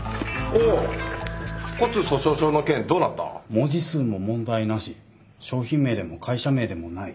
文字数も問題なし商品名でも会社名でもない。